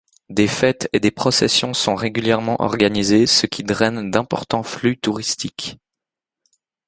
Des fêtes et des processions sont régulièrement organisées, ce qui draine d'importants flux touristiques.